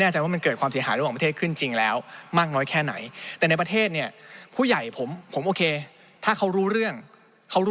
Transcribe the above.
แต่ของเค้าอันตรายอยู่เบอร์๔